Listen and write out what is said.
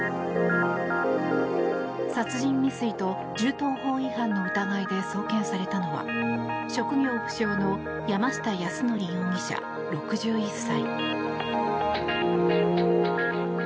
殺人未遂と銃刀法違反の疑いで送検されたのは職業不詳の山下泰範容疑者６１歳。